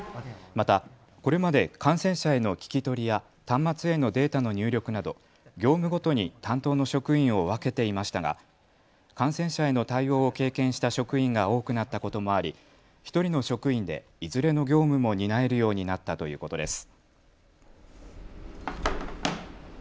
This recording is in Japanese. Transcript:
またこれまで感染感染者への聞き取りや端末へのデータの入力など業務ごとに担当の職員を分けていましたが感染者への対応を経験した職員が多くなったこともあり１人の職員でいずれの業務も担えるようになったということです。